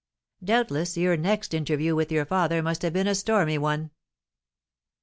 "Doubtless your next interview with your father must have been a stormy one."